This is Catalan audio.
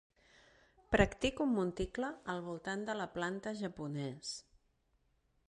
Practico un monticle al voltant de la planta japonès.